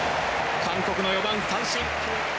韓国の４番を三振！